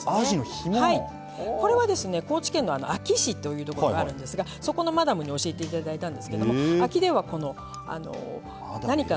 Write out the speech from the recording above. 高知県の安芸市という所があるんですがそこのマダムに教えていただいたんですけども安芸ではこの何かの。